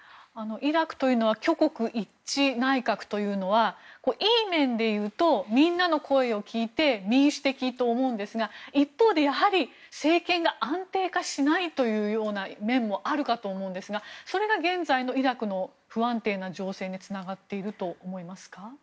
イラクというのは挙国一致内閣というのはいい面でいうとみんなの声を聞いて民主的と思いますが一方、やはり政権が安定化しないという面もあるかと思うんですがそれが現在のイラクの不安定な情勢につながっていると思いますか？